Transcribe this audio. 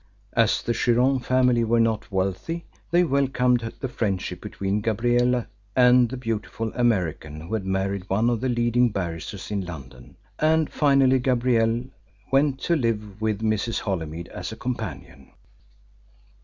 As the Chiron family were not wealthy they welcomed the friendship between Gabrielle and the beautiful American who had married one of the leading barristers in London, and finally Gabrielle went to live with Mrs. Holymead as a companion.